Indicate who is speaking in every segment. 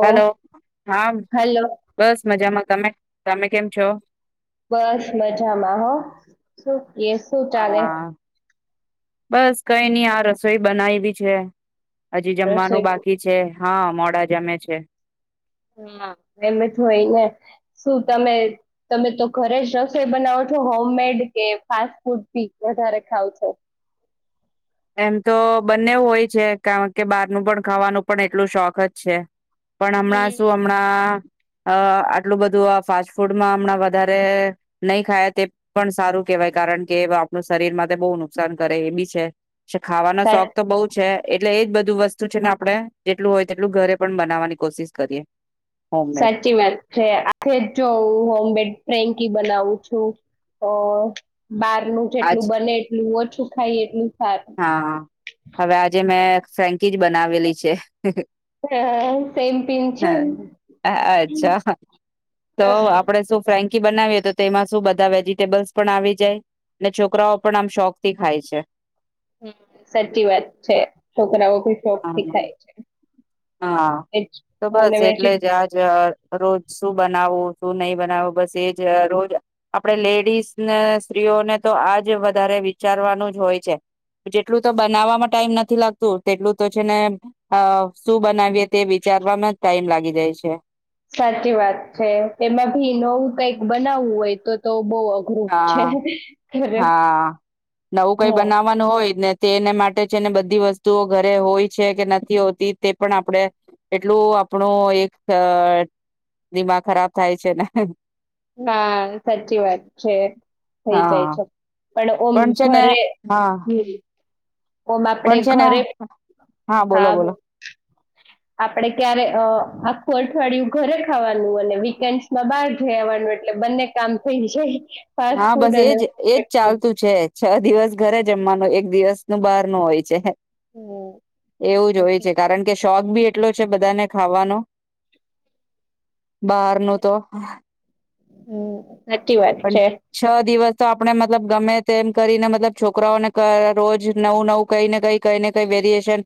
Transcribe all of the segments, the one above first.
Speaker 1: હાલો હા
Speaker 2: હેલો
Speaker 1: બસ મજામાં તમે તમે કેમ છો
Speaker 2: બસ મજામાં હો શું એ શું ચાલે
Speaker 1: કઈની આ રસોઈ બનાયવી છે હજી
Speaker 2: રસોઈ
Speaker 1: જમવાનું બાકી છે હા મોડા જમે છે
Speaker 2: હા [inaudible] શું તમે તમે તો ઘરે જ રસોઈ બનાવો છો હોમ મેડ કે ફાસ્ટ ફૂડી [unintelligible] વધારે ખાવો છે
Speaker 1: એમ તો બંને હોય છે કારણ કે બહારનું પણ ખાવાનું પણ એટલું શોખ જ છે પણ હમણાં
Speaker 2: હમ
Speaker 1: શું હમણાં અ આટલું બધું આ ફાસ્ટ ફૂડમાં હમણાં વધારે નહી ખાય તે પણ સારું કેહેવાય કારણ કે આપણું શરીરમાં તે બહુ નુકસાન કરે એ બી છે ખાવાનો શોખ
Speaker 2: સા-
Speaker 1: તો બઉુ છે એટલે એજ બધું વસ્તુ છે ને આપડણે જેટલું હોય તેટલું ઘરે પણ બનાવવાની કોશિશ કરીએ હોમમેડ
Speaker 2: સાચી વાત છે આે જો હોમબેડ ફ્રેન્કી બનાવું છું અ બાર નું
Speaker 1: આજ
Speaker 2: જેટલું બને એટલું ઓછું ખાઈએ [unintelligible]
Speaker 1: હા હવે આજે મેં ફેન્કી જ બનાવેલી છે
Speaker 2: સેમ પિન છે
Speaker 1: હ
Speaker 2: ને?
Speaker 1: અચ્છા તો
Speaker 2: હમ
Speaker 1: આપડે શું ફન્ક કી બનાવીએ તો તેમાં શું બધા વેજીિટેબલ્સ પણ આવી જાય અને છોકરાઓ પણ આમ શોખથી ખાય છે
Speaker 2: હ સાચી વાત છે છોકરાઓ બી શોખ થી
Speaker 1: હમ
Speaker 2: ખાય
Speaker 1: હા
Speaker 2: વેજ
Speaker 1: તો
Speaker 2: અને
Speaker 1: બસ
Speaker 2: વેજી
Speaker 1: એટલે જ આજ રોજ શું બનાવવું શું નહી બનાવો બસ એજ રોજ આપડે લેડીઝ ને સ્ત્રીઓને તો આજ વધારે વિચારવાનું જ હોય છે જેટલું તો બનાવવામાં ટાઈમ નથી લાગતું તેટલું તો છે ને શું બનાવીયએ તે વિચારવામાં ટાઈમ લાગી જાય છે
Speaker 2: સાચી વાત છે તેમાં ભી નવું કઈક બનાવવું હોય તો તો બહ અઘરું છે
Speaker 1: હા
Speaker 2: ઘરે
Speaker 1: હા નવું કઈ
Speaker 2: હા
Speaker 1: બનાવવાનું હોય જ ને તેને માટે છે ને બધી વસ્તુઓ ઘરે હોય છે કે નથી હોતી તે પણ આપણેે એટલું આપણું એક દિમાગ ખરાબ થાય છે ને
Speaker 2: હા સાચી વાત છે થઈ જાય
Speaker 1: હા
Speaker 2: છે પણ ઓમ
Speaker 1: છે ને
Speaker 2: ઘરે
Speaker 1: હા
Speaker 2: હમ ઓમ આપડે
Speaker 1: પણ છે ને
Speaker 2: ઘરે
Speaker 1: બોલો
Speaker 2: હા
Speaker 1: બોલો
Speaker 2: આપડે ક્યારે અઠવાડિયું ઘરે ખાવાનું અને વીકેન્ડમાં બહાર જઈ આવવાનું એટલે બંને કામ થઈ જાય ફાસ્ટ
Speaker 1: હા
Speaker 2: ફૂડ
Speaker 1: બસ
Speaker 2: અને
Speaker 1: એજ એજ
Speaker 2: ફૂડ
Speaker 1: ચાલતું છેજ છ દિવસ ઘરે જમવાનું એક દિવસ નું બહાર નું હોય છે એવું જ હોય છે
Speaker 2: હમ
Speaker 1: કારણ કે શોખ બી એટલો છે બધાને ખાવાનો બહાર ન તો
Speaker 2: હમ સાચી વાત
Speaker 1: પણ
Speaker 2: છે
Speaker 1: છ દિવસ તો આપણે મતલબ ગમે તેમ કરીને મતલબ છોકરાઓને રોજ નવું નવું કઈને કઈ કઈ ને કઈ વેરિયશન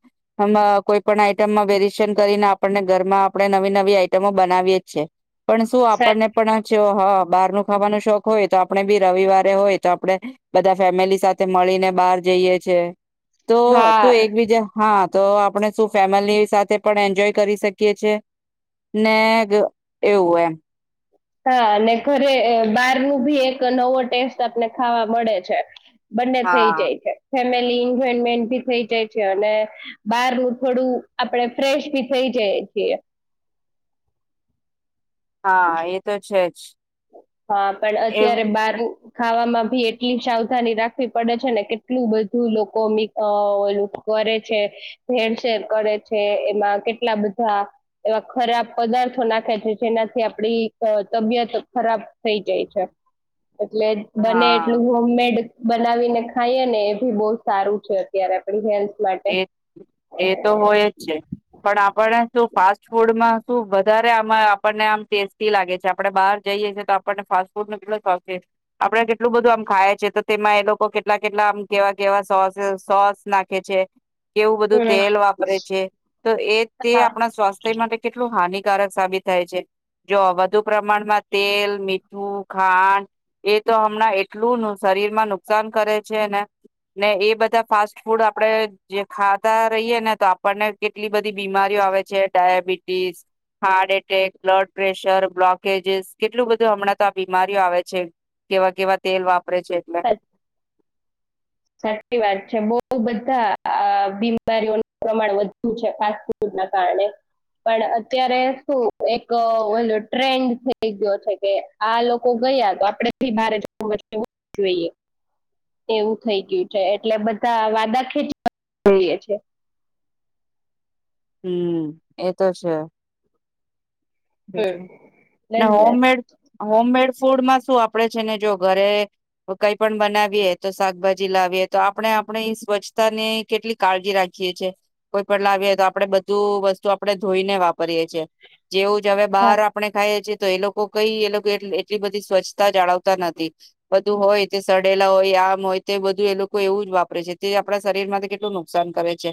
Speaker 1: કોઈ પણ આઈટમમાં વેરિએશન કરીને આપણને ઘરમાં આપણે નવી નવી આઈટમો બનાવીએ જ છે પણ શું
Speaker 2: સા-
Speaker 1: આપણને પણ છે હા બહાર ન ખાવાનો શોખ હોય તો આપણે બી રવિવારે હોય તો આપડે બધા ફેમિલી સાથે મળીને બહાર જઈએ છે તો
Speaker 2: હા
Speaker 1: તું એકબીજા હા તો આપણે શું ફેમિલી સાથે પણ એન્જોય કરી શકીએ છે નેગ એવું એમ
Speaker 2: હા અને ઘરે બહાર નું ભી એક નવો ટેસ્ટ આપને ખાવા મળે છે. બંને થઈ
Speaker 1: હા
Speaker 2: જાય છે. [unintelligible]
Speaker 1: હા એ તો છે જ
Speaker 2: હા પણ
Speaker 1: એ
Speaker 2: અત્યારે બારનું ખાવામાં ભી એટલી સાવધાની રાખવી પડે છે ને કેટલું બધું લોકો મિ અ ઓલું કરે છે ભેરસેેર કરે છે એમાં કેટલા બધા એવા ખરાબ પદાર્થો નાખે છે જેનાથી આપડી તબિયત ખરાબ થઇ જાય છે એટલે બને
Speaker 1: હા
Speaker 2: એટલું હોમમેડ બનાવીને ખાઈએ ને એ ભી બહ સારું છે અત્યારે આપડી હેલ્થ માટે
Speaker 1: એ એ તો હોય જ છે પણ આપણે શું ફાસ્ટ છોડમાં શું વધારે આમાં આપણને આમ ટેસ્ટી લાગે છે આપડણે બહાર જઈએ છે તો આપણને ફાસ્ટ ફૂડ નો કેટલો શોખ છે આપડે કેટલું બધું આમ ખાય છે તો તેમાં એ લોકો કેટલા કેટલા આમ કેવા કેવા સોસે સોસ નાખે છે કેવું બધું તેલ વાપરે છે તો એ તે
Speaker 2: હા
Speaker 1: આપણા સ્વાસ્થ્ય માટે કેટલું હાનિકા કારક સાબિત થાય છે જો વધુ પ્રમાણમાં તેલ મીઠ હું ખાંડ એ તો હમણાં એટલું નુક શરીર માં નુકસાન કરે છે ને ને એ બધા ફાસ્ટ ફૂડ આપડે જે ખાતા રહીયે ને તો આપણને કેટલી બધી બીમારીઓ આવે છે diabetes, heart attack, blood pressure, blockages કેટલું બધું હમણાં તો આ બીમારીઓ આવે છે કેવા કેવા તેલ વાપ
Speaker 2: સાચ-
Speaker 1: [inaudible]
Speaker 2: સાચી વાત છે બઉ બધાં આ બીમારીઓનું પ્રમાણ વધ્યું છે ફાસ્ટ ફૂડ ના કારણે પણ અત્યારે શું એક વર્લ્ડ ટ્રેન્ડ થઈ ગયો છે કે આ લોકો ગયા તો આપડે ભી બારે જવું એટલે જવું જ જોઈએ. એવું થઈ ગયું છે એટલે બધા વાદા ખેચઈએ છે
Speaker 1: હમ એતો છે બીજું
Speaker 2: એટલે
Speaker 1: ના
Speaker 2: જ ને
Speaker 1: હોમમેડ હોમમેડ ફૂડ માં શું આપડે છે ને જો ઘરે કાંઈ પણ બનાવીએ તો શાકભાજી લાવીએ તો આપડે આપણી સ્વછતાને કેટલી કાળજી રાખીએ છે કઈ પણ લાગે તો આપડે બધું વસ્તુ આપડેં ધોઇ ને વાપરીએ છે જે જે હવે બહાર
Speaker 2: હા
Speaker 1: આપડણે ખાઈએ છીએ તો એ લોકો કઈ એ લોકો એટલી બધી સ્વચ્છતા જાળવતા નથી બધું હોય તે સડેલા હોય આમ હોય તે બધું એ લોકો એવું જ વાપરે છે તે આપણા શરીર માં કેટલું નુકસાન કરે છે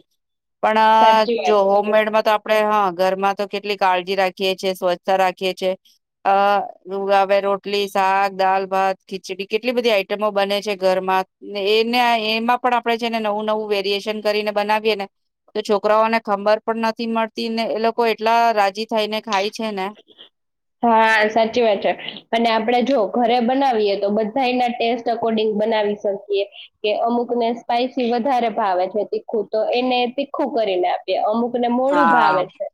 Speaker 1: પણ
Speaker 2: સાચી વાત
Speaker 1: જો
Speaker 2: છે
Speaker 1: હોમમેડમાં તો આપડણે હા ઘરમાં તો કેટલી કાળજી રાખી રાખીએ છે સ્વચ્છ રાખીએ છે અ હવે રોટલી, શાક, દાલ, ભાત, ખીચડી કેટલી બધી આઈટમો બને છે ઘરમાંને એને એમાં પણ આપણે છેને નવું નવું વેરિએેશન કરીને બનાવીએ ને તો છોકરાઓને ખંબર પણ નથી મળતી ને એ લોકો એટલા રાજી થાયને ખાઇ
Speaker 2: હા સાચી વાત છે અને આપડે જો ઘરે બનાવીએ તો બધા એના ટેસ્ટ અકોર્ડિંગ બનાવી શકીએ કે અમુક ને સ્પાઈસી વધારે ભાવે છે તીખું તો એને તીખું કરીને આપીએ અમુક અમુક ને મોડું
Speaker 1: હા
Speaker 2: ભાવે છે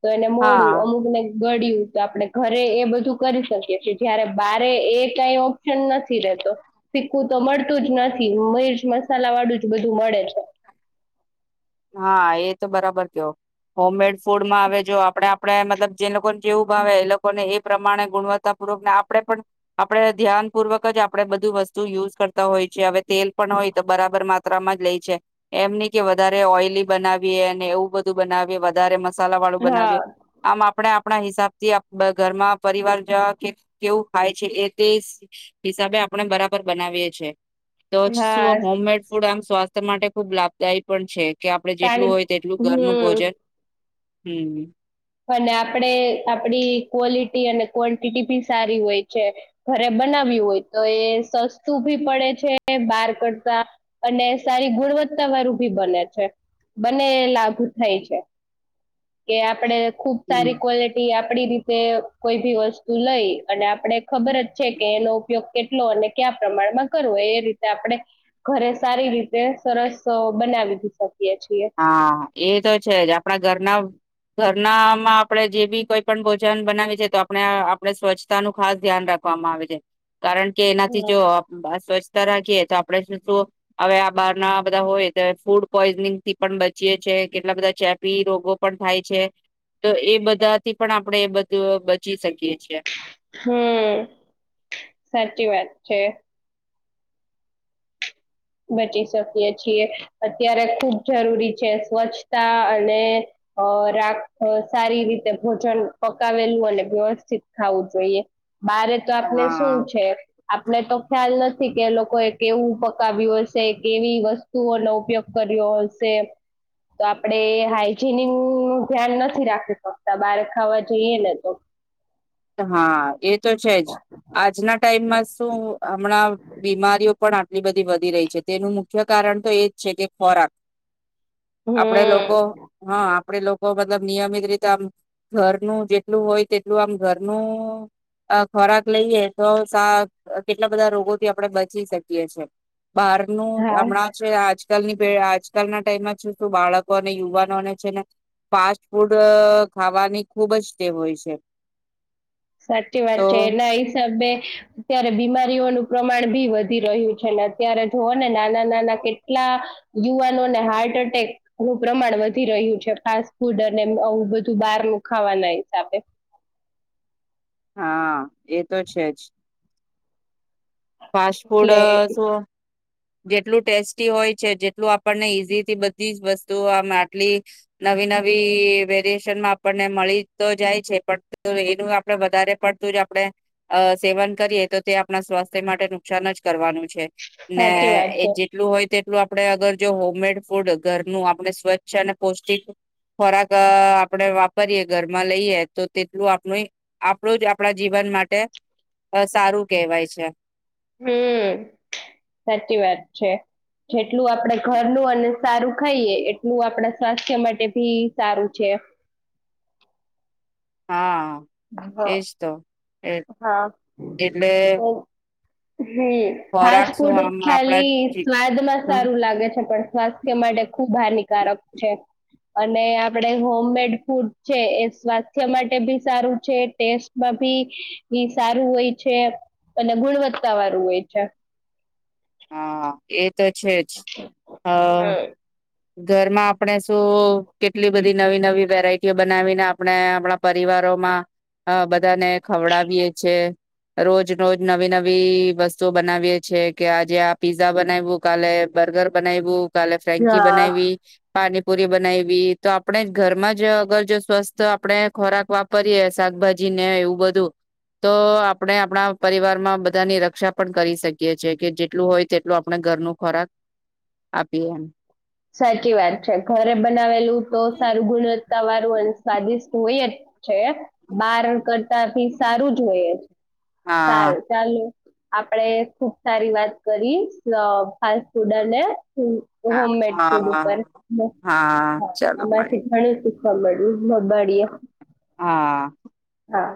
Speaker 2: તો એને મોડું
Speaker 1: હા
Speaker 2: અમુક ને ગળ્યું તો આપડે ઘરે એ બધું કરી શકીએ છે જયારે બારે એ કઈ ઓપ્શન નથી રેતો શીખવું તો મળતું જ નથી મિર્ચ મસાલા વાળું જ બધું મળે છે.
Speaker 1: હા એ તો બરાબર ક્યો હોમમેડ ફૂડમાં આવે જો આપણે આપણે મતલબ જે લોકોને જેવું ભાવે એ લોકોને એ પ્રમાણે ગુણવત્તાપૂર્વક ને આપણે પણ આપણે ધ્યાનપૂર્વક જ આપણે બધું વસ્તુ યુઝ કરતા હોય છે હવે તેલ પણ હોય તો બરાબર માત્રામાં જ લે છે એમની કે વધા રે ઓઇલી બનાવીએ અને એવું બધું બનાવીએ વધારે મ મસાલા વાળું
Speaker 2: હા
Speaker 1: બનાવીએ આમ આપડે આ આપણા હિસાબથી આ ઘરમાં પરિવાર જવા કે કેવું ખાય છે એ તે હિસાબે આપણે બરાબર બનાવીએ છે. તો શું
Speaker 2: હા
Speaker 1: હોમમેડ ફૂડ આમ સ્વા માટે ખુબ લાભદાયી પણ છે. કે આપડે જેટલું
Speaker 2: તાણી
Speaker 1: હોય તેટલું ઘરનું
Speaker 2: હમ
Speaker 1: ભોજન હમ
Speaker 2: અને આપણે આપડી ક્વોલિટી અને ક્વન્ટિટી ભી સારી હોય છે ઘરે બનાવ્યું હોય તો એ સસ્તું ભી પડે છે બહાર કરતા અને સારી ગુણવત્તા વાળું ભી બને છે બને લાગુ થાય છે. કે આપડે ખુબ સારી
Speaker 1: હમ
Speaker 2: ક્વોલિટી આપ આપડી રીતે કોઈ ભી વસ્તુ લઈ અને આપણે ખબર જ છે કે એનો ઉપયોગ કેટલો અને કયા પ્રમાણમાં કરવો એ રીતે આપણે ઘરે સારી રીતે સરસ બનાવી શકીએ. છીએ
Speaker 1: હા એ તો છે જ આપણા ઘરના ઘરનામાં આપણે જે બી કોઈ પણ ભોજન બનાવી છે તો આપણે આપણે સ્વચ્છતા નું ખાસ ધ્યાન રાખવામાં આવે છે. કારણ કે એનાથી જો સ્વસ્થ રાખીએ તો આપણે શ શુ હવે આ બાર ના બધા હોય તો ફૂડ પોઈઝનિંગથી પણ બચીએ છે કેટલા બધા ચેપી રોગો પણ થાય છે તો એ બધાથી પણ આપણેે એ બધું બચી શકીએ. છીએ
Speaker 2: હમ સાચી વાત છે. બચી શકીએ છીએ અત્યારે ખુબ જરૂરી છે સ્વચ્છતા અને અ રાખ સારી રીતે ભોજન પકાવેલું અને વ્યસ્ શીખાવું જોઈએ બારે તો આપને શું
Speaker 1: હા
Speaker 2: છે. આપને તો ખ્યાલ નથી કે એ લોકો એ‌ કેવુ કાવ્યું હશે કેવી વસ્તુઓનો ઉપયોગ કર્યો હશે તો આપડે હાઈજીનિક નું ધ્યાન નથી રાખી શકતા બહાર ખાવા જઈએ ને તો
Speaker 1: હા એ તો છે જ આજના ટાઈમમાં શું હમણાં બીમારીઓ પણ આટલી બ વધી રહી છે તેનું મુખ્ય કારણ તો એજ છે કે ખોરાક આપડે લોકો
Speaker 2: હમ
Speaker 1: હા આપડે લો મતલબ નિયમિત રીતે આમ ઘરનું જેટલું હોય તેટલું આમ ઘરનું અ ખોરાક લઈએ તો સા કેટલા બધા રોગોથી આપડે બચી શકીએ છે. બહારનું
Speaker 2: હા
Speaker 1: હમણાં છે આજ આજકાલની પે આજકાલના ટાઈમમાં છે શું બાળકો અને યુવાનોને છેને ફાસ્ટ ફૂડ ખાવાની ખુબ જ ટેવ હોય છે.
Speaker 2: સાચી વાત
Speaker 1: તો
Speaker 2: છે એના હિસાબે અત્યારે બીમારીઓનું પ્રમાણ ભી વધી રહ્યું છે અત્યારે જોઓ ને નાના નાના કેટલા યુવાનોને હાર્ટ એટેકનું પ્રમાણ વધી રહ્યું છે ફાસ્ટ ફૂડ અને આવું બધું બહારનું ખાવાના હિસાબે
Speaker 1: હા એ તો છે જ ફાસ ફૂડ
Speaker 2: એટલે
Speaker 1: જો જેટલું ટેસ્ટી હોય છે જેટલું આપણને ઈઝીથી બધી વસ્તુ આ આટલી નવી નવી વેરીએશનમાં આપણને મળી તો જાય છે પણ એનું આપણે વધારે પડતું જ આપણે અ સેવન કરીએ તો તે આપણા સ્વાસ્થ્ય માટે નુકસાન જ કરવાનું છે.
Speaker 2: સાચી
Speaker 1: ને
Speaker 2: વાત
Speaker 1: એ
Speaker 2: છે
Speaker 1: જેટલું હોય તે ટલું આપણે અગર જો હોમમેડ ફૂડ ઘરનું આપણે સ્વચ્છ અને પૌષ્ટિક ખોરાક આપણે વાપરીએ ઘરમાં લઈએ તો તેટલું આપણું આપણું જ આપણા જીવન માટે સારું કહેવાય છે
Speaker 2: હમ્મ સાચી વાત છે, જે ટલું આપડે ઘરનું અને સારું ખાઈએ એટલું આપડા સ્વાસ્થ્ય માટે ભી સારું છે.
Speaker 1: હા
Speaker 2: હા
Speaker 1: એજ તો એટ
Speaker 2: હા
Speaker 1: એટલે
Speaker 2: હમ
Speaker 1: ખોરાક
Speaker 2: ફાસ્ટ
Speaker 1: શું
Speaker 2: ફૂડ
Speaker 1: આમ આપણા
Speaker 2: ખાલી
Speaker 1: જી-
Speaker 2: સ્વાદમાં સારું લાગે છે પણ સ્વાસ્થ્ય માટે ખુબ હાનિકારક છે. અને આપડે હોમમેડ ફૂડ છે એ સ્વાસ્થ્ય માટે બી સારું ટેસ્ટમાં ભી સારું હોય છે અને ગુણવત્તા વાળું હોય છે.
Speaker 1: હા એ તો છે જ હ ઘરમાં આપણે શું કેટલી બધી નવી નવી વેરાઈટીઓ બનાવીને આપણે આપણા પરિવારોમાં બધાને ખવડાવીએ છે રોજ રોજ નવી નવી વસ્તુઓ બનાવીએ છીએ કે આજે આ પીઝા બનાવું કાલે બર્ગર બનાવ્યું કાલે ફ કે
Speaker 2: હા
Speaker 1: બનાવી પાણીપુરી બનાયવી તો આપણે ઘરમાં જ અગર જો સ્વસ્થ આપણે ખોરાક વાપરીએ શાકભાજી ને એવું બધું તો આપણે આપણા પરિવારમાં બધાની રક્ષા પણ કરી શકીએ છે કે જેટલું હોય તેટલું આપણે ઘરનું ખોરાક આપીએ એમ
Speaker 2: સાચી વાત છે ઘરે બનાવેલું તો સારું ગુણવ તમારું [inaudible] સ્વાદિષ્ટ હોય જ છે બાર કરતાથી સારું જ હોયે
Speaker 1: હા
Speaker 2: સારું ચાલુ આપડે ખુબ સારી વાત કરી ફાસ્ટ ફૂડ અને હ હોમમેડ
Speaker 1: હા
Speaker 2: ઉપર
Speaker 1: હા ચલો
Speaker 2: [inaudible]
Speaker 1: મળીએ
Speaker 2: આમાંથી પણ [inaudible]
Speaker 1: હા
Speaker 2: હા